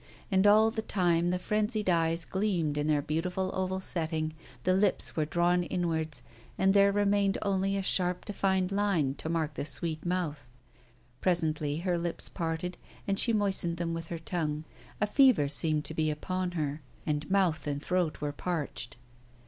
And all the time the frenzied eyes gleamed in their beautiful oval setting, the lips were drawn inwards, and there remained only a sharply defined line to mark the sweet mouth. Presently her lips parted and she moistened them with her tongue. A fever seemed to be upon her, and mouth and throat were parched.